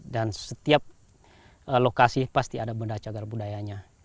dan setiap lokasi pasti ada benda cagar budayanya